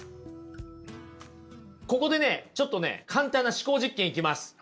ここでねちょっとね簡単な思考実験いきます。